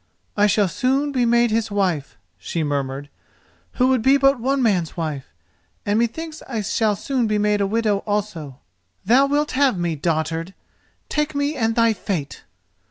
"I shall soon be made his wife," she murmured, "who would be but one man's wife—and methinks I shall soon be made a widow also. Thou wilt have me, dotard—take me and thy fate!